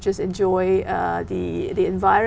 chắc chắn là chúng ta có